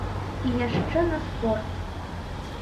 І яшчэ на спорт.